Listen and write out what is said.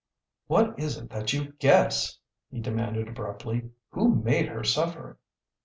"What is it that you guess?" he demanded abruptly. "Who made her suffer?"